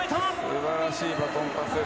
素晴らしいバトンパスです。